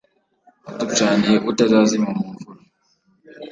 Yaducaniye utazazima mu mvura